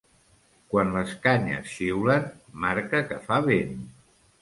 Quan les canyes xiulen marca que fa vent.